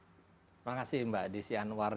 terima kasih mbak desi anwar